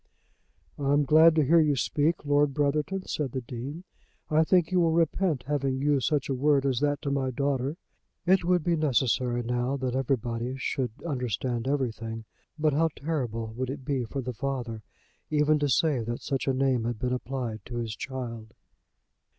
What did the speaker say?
"I am glad to hear you speak, Lord Brotherton," said the Dean. "I think you will repent having used such a word as that to my daughter." It would be necessary now that everybody should understand everything; but how terrible would it be for the father even to say that such a name had been applied to his child!